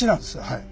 はい。